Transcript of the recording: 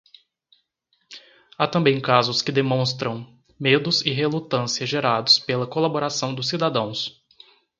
Há também casos que demonstram medos e relutância gerados pela colaboração dos cidadãos.